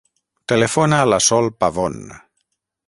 Telefona a la Sol Pavon.